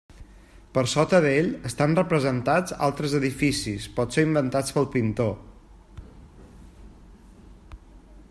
Per sota d'ell, estan representats altres edificis, potser inventats pel pintor.